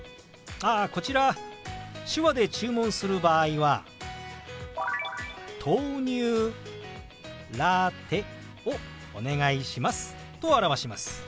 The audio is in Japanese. あこちら手話で注文する場合は「豆乳ラテをお願いします」と表します。